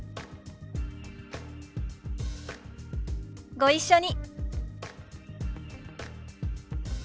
ご一緒に。